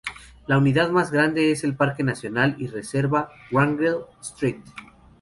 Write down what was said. La unidad más grande es el parque nacional y reserva Wrangell-St.